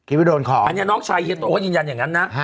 อันนี้น้องชายเฮียโตก็ยืนยันอย่างนั้นนะ